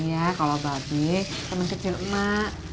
iya kalau babi teman kecil emak